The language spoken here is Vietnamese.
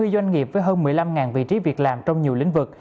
sáu mươi doanh nghiệp với hơn một mươi năm vị trí việc làm trong nhiều lĩnh vực